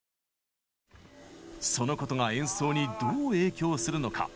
そのことが演奏にどう影響するのか。